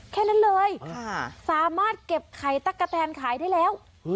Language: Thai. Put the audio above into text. แค่นั้นเลยสามารถเก็บไข่ตั๊กกะแตนขายได้แล้ว